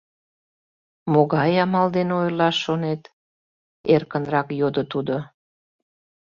— Могай амал дене ойырлаш шонет? — эркынрак йодо тудо.